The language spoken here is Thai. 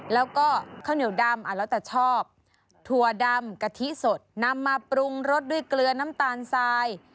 แล้วก็ข้าวเหนียวดำแล้วแต่ชอบถั่วดำกะทิสดนำมาปรุงรสด้วยเกลือน้ำตาลทราย